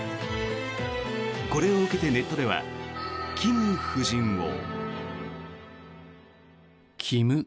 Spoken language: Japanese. これを受けてネットではキム夫人を。